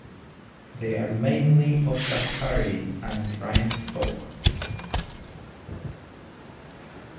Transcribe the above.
They are mainly of Lashari and Rind stock.